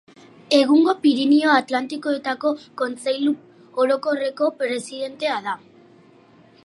Egungo Pirinio Atlantikoetako Kontseilu Orokorreko presidentea da.